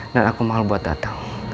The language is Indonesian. dan aku mahal buat datang